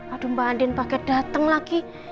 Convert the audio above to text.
aduh mbak andin pake dateng lagi